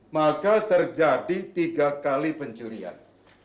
maka terjadi tiga kali pencurian